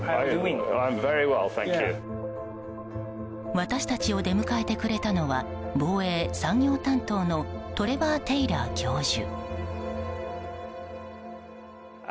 私たちを出迎えてくれたのは防衛・産業担当のトレバー・テイラー教授。